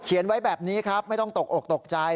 ไว้แบบนี้ครับไม่ต้องตกอกตกใจ